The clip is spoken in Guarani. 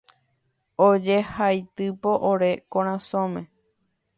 ojehaitypo ore korasõme